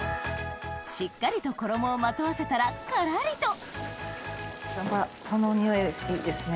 しっかりと衣をまとわせたらからりとやばっこの匂いいいですね